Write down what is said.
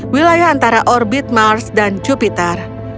wilayah antara orbit mars dan jupiter